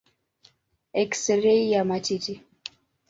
Eksirei ya matiti.